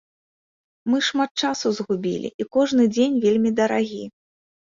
Мы шмат часу згубілі, і кожны дзень вельмі дарагі.